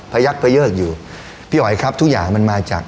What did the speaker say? ยักพะเยิกอยู่พี่อ๋อยครับทุกอย่างมันมาจาก